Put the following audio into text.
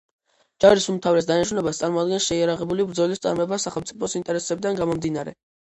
ჯარის უმთავრეს დანიშნულებას წარმოადგენს შეიარაღებული ბრძოლის წარმოება სახელმწიფოს ინტერესებიდან გამომდინარე.